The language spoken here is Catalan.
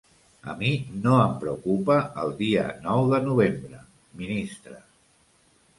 A mi no em preocupa el dia nou de novembre, ministre.